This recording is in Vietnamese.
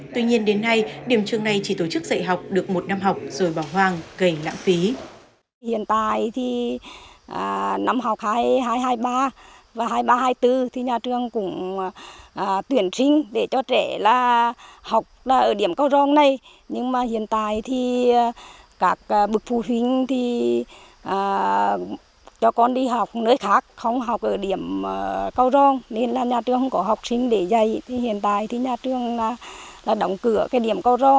tuy nhiên đến nay điểm trường này chỉ tổ chức dạy học được một năm học rồi bỏ hoang gây lãng phí